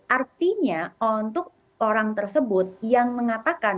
artinya untuk orang tersebut yang mengatakan